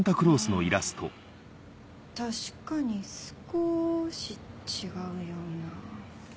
確かに少し違うような。